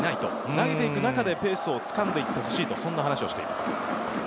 投げていく中でペースを掴んでいってほしいという話をしています。